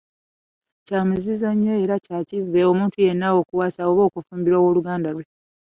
Kya muzizo nnyo era kya kivve, omuntu yenna okuwasa oba okufumbirwa ow’oluganda lwe!